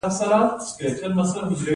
د ایمبولوس ګڼېدلې وینه سفر کوي.